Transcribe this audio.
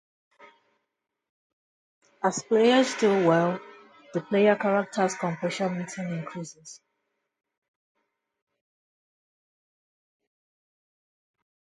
As players do well, the player character's composure meeting increases.